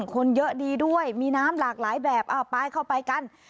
คนเยอะดีด้วยมีน้ำหลากหลายแบบเอาไปเข้าไปกัน